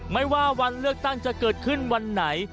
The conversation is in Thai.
ไม่ว่าวันเลือกตั้งจะเกิดขึ้นวันไหน